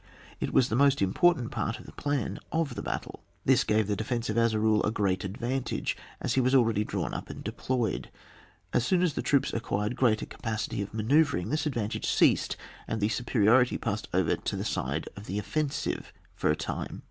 It was the most important part of the plan of the battle. This gave the defensive, as a rule, a great advantage, as he was already drawn up and deployed. As soon as the troops acquired greater capability of manoeuvr ing, this advantage ceased, and the superiority passed over to the side of the offensive for a time.